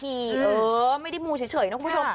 เออไม่ได้มูเฉยนะคุณผู้ชม